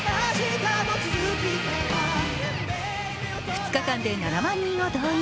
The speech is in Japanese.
２日間で７万人を動員。